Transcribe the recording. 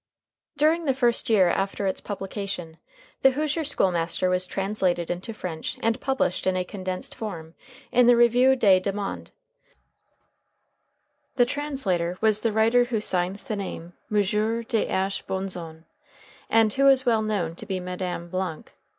During the first year after its publication "The Hoosier School Master" was translated into French and published in a condensed form in the Revue des Deux Mondes. The translator was the writer who signs the name M. Th. Bentzon, and who is well known to be Madame Blanc.